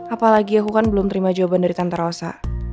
apalagi aku kan belum terima jawaban dari tante rosa